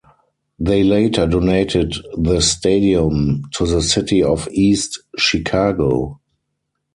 They later donated the stadium to the City of East Chicago.